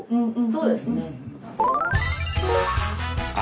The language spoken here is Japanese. そうですね。